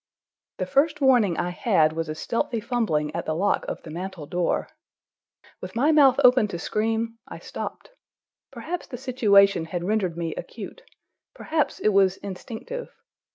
The first warning I had was a stealthy fumbling at the lock of the mantel door. With my mouth open to scream, I stopped. Perhaps the situation had rendered me acute, perhaps it was instinctive.